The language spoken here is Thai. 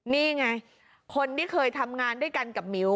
นี่ไงคนที่เคยทำงานด้วยกันกับหมิว